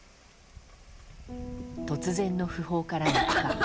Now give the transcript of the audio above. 突然の訃報から３日。